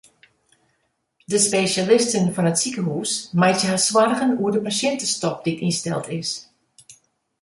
De spesjalisten fan it sikehús meitsje har soargen oer de pasjintestop dy't ynsteld is.